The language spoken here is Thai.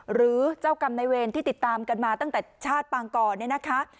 หรือเจ้ากรรมในเวรที่ติดตามกันมาตั้งแต่ชาติปางกรเนี่ยนะคะ